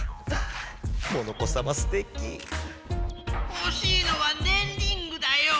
ほしいのはねんリングだよ！